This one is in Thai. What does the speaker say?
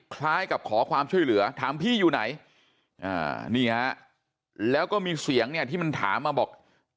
คล้ายกับขอความช่วยเหลือถามพี่อยู่ไหนนี่ฮะแล้วก็มีเสียงเนี่ยที่มันถามมาบอก